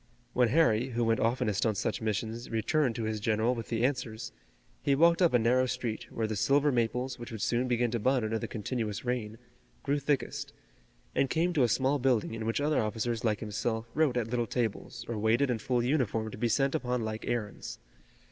When Harry, who went oftenest on such missions, returned to his general with the answers, he walked up a narrow street, where the silver maples, which would soon begin to bud under the continuous rain, grew thickest, and came to a small building in which other officers like himself wrote at little tables or waited in full uniform to be sent upon like errands.